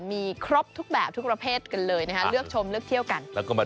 มีครอบทุกแบบทุกประเภทกันเลยเลือกชมเลือกเที่ยวกัน